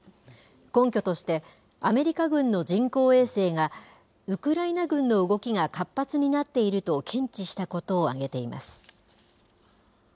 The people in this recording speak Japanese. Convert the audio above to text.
根拠として、アメリカ軍の人工衛星が、ウクライナ軍の動きが活発になっていると検知したことを挙げています。